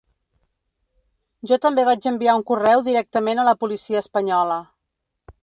Jo també vaig enviar un correu directament a la policia espanyola.